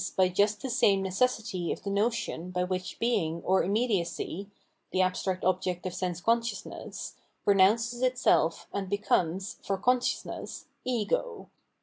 by just the same necessity of the notion by which being or immediacy, the abstract object of sense consciousness, renounces itself and becomes, for consciousness. Ego.